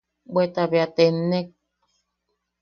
Bweta bea tennek.